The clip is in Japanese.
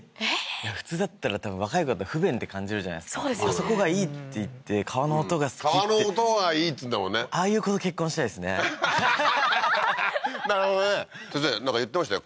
普通だったら若い方不便って感じるじゃないですかそうですよねあそこがいいって言って川の音が好きって川の音がいいっつうんだもんねああいう子と結婚したいですねなるほどね先生なんか言ってましたよ